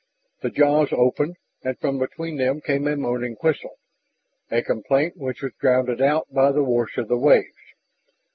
The jaws opened and from between them came a moaning whistle, a complaint which was drowned out by the wash of the waves.